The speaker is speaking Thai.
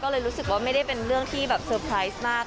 ก็เลยรู้สึกว่าไม่ได้เป็นเรื่องที่แบบเซอร์ไพรส์มาก